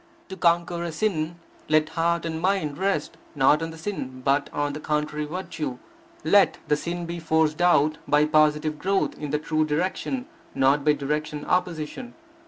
To conquer a sin, let heart and mind rest, not on the sin, but on the contrary virtue. Let the sin be forced out by positive growth in the true direction, not by direct opposition.